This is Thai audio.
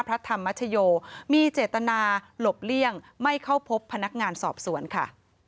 พระธรรมชโยมีเจตนาหลบเลี่ยงไม่เข้าพบพนักงานสอบสวนค่ะ